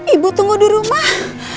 ibu tunggu di rumah